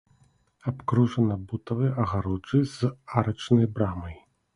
Абкружана бутавай агароджай з арачнай брамай.